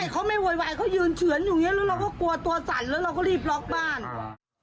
เขาไม่โวยวายเขายืนเฉือนอยู่อย่างนี้แล้วเราก็กลัวตัวสั่นแล้วเราก็รีบล็อกบ้าน